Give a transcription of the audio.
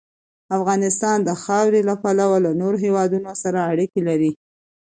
افغانستان د خاورې له پلوه له نورو هېوادونو سره اړیکې لري.